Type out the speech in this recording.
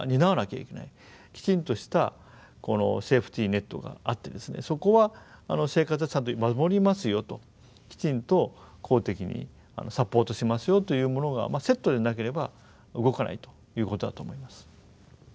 きちんとしたセーフティネットがあってそこは生活はちゃんと守りますよときちんと公的にサポートしますよというものがセットでなければ動かないということだと思います。